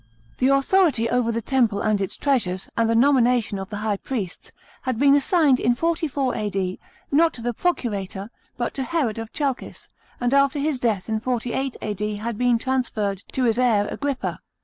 The authority over the temple and its treasures, and the nomina tion of the high priests, had been assigned in 44 A.D., not to the procurator, but to Herod of Chalcis, and after his death in 48 A.D. had been transferred to his heir Agrippa.